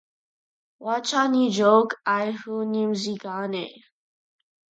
Wacha nijhoke aihu nimzighane.